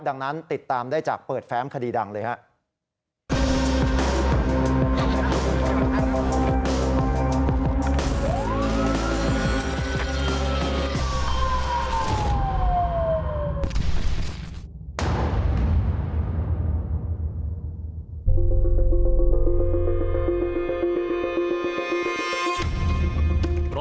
ดังนั้นติดตามได้จากเปิดแฟ้มคดีดังเลยครับ